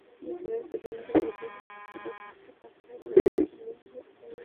নেপালের তরুণদের গতিময় ফুটবলের কাছে পাত্তাই পায়নি টুর্নামেন্টের অন্যতম ফেবারিট মালদ্বীপ।